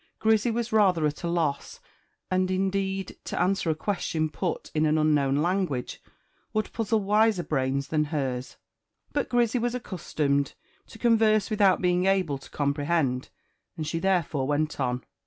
Grizzy was rather at a loss; and, indeed, to answer a question put in an unknown language, would puzzle wiser brains than hers; but Grizzy was accustomed to converse without being able to comprehend, and she therefore went on.